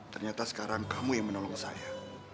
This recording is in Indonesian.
ternyata sekarang kamu yang menolong saya